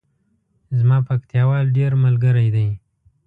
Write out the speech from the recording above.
زما پکتیاوال ډیر ملګری دی